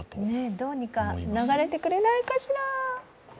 どうにか流れてくれないかしら。